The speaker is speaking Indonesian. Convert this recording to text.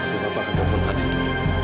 biar bapak telepon fadil dulu